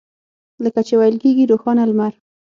لکه چې ویل کېږي روښانه لمر.